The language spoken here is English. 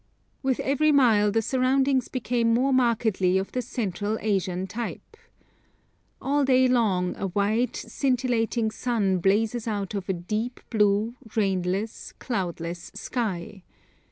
With every mile the surroundings became more markedly of the Central Asian type. All day long a white, scintillating sun blazes out of a deep blue, rainless, cloudless sky.